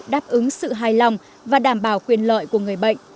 đáp ứng sự hài lòng và đảm bảo quyền lợi của người bệnh